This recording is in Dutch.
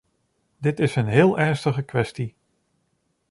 Dit is een heel ernstige kwestie.